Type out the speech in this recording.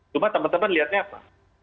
cuma teman teman lihatnya apa